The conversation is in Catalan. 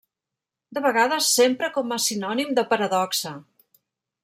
De vegades s'empra com a sinònim de paradoxa.